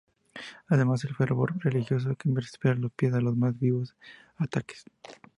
Además, el fervor religioso que respira da pie a los más vivos ataques.